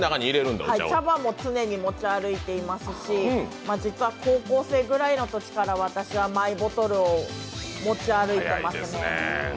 茶葉も常に持ち歩いていますし、実は高校生ぐらいのときから私はマイボトルを持ち歩いていますね。